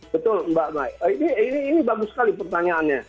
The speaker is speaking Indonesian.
betul mbak mai ini bagus sekali pertanyaannya